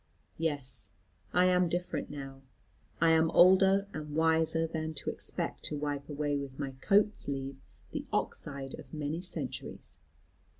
Yes, I am different now. I am older and wiser than to expect to wipe away with my coat sleeve the oxide of many centuries.